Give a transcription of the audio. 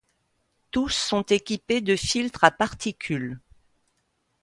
Tous sont équipés de filtre à particules.